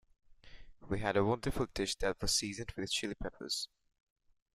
We had a wonderful dish that was seasoned with Chili Peppers.